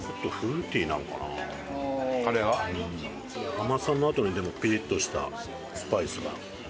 甘さのあとにでもピリッとしたスパイスが。